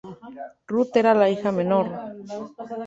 Ruth era la hija menor.